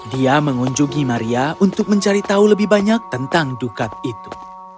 dia mengunjungi maria untuk mencari tahu lebih banyak tentang dukat itu